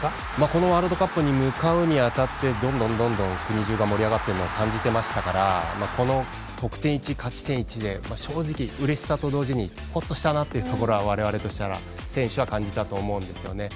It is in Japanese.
このワールドカップに向かうにあたってどんどん国じゅうが盛り上がっているのは感じてましたからこの得点１、勝ち点１で正直、うれしさと同時にほっとしたなっていうところは我々としたら選手は感じたと思うんですよね。